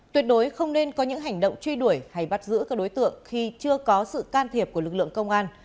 tuyệt đối không nên có những hành động truy đuổi hay bắt giữ các đối tượng khi chưa có sự can thiệp của lực lượng công an